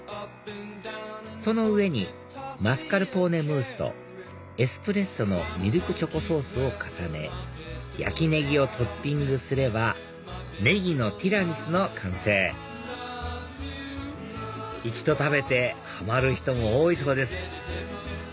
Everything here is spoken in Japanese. その上にマスカルポーネムースとエスプレッソのミルクチョコソースを重ね焼きネギをトッピングすればねぎのティラミスの完成一度食べてハマる人も多いそうです